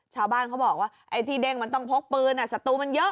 ชาวบ้านเขาบอกว่าไอ้ที่เด้งมันต้องพกปืนสตูมันเยอะ